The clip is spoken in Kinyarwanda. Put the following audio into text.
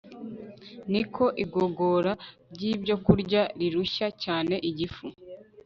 ni ko igogora ryibyokurya rirushya cyane igifu